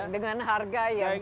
dengan harga yang premium